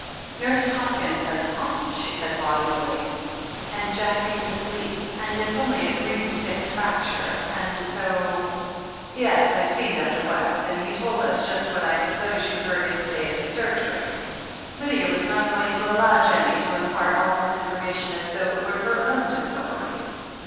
"Nurse Hopkins has come," she said volubly, "and Jackie's asleep, and it's only a green stick fracture, and so THE HEEL OF ACHILLES 353 "Yes, I've seen Dr. West, and he told us just what I suppose you heard him say at the surgery." Lydia was not going to allow Jennie to impart all this information as though it were her own discovery.